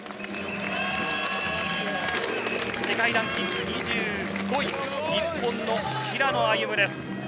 世界ランキング２５位日本の平野歩夢です。